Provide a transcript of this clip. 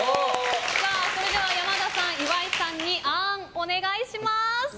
それでは山田さん、岩井さんにあーん、お願いします。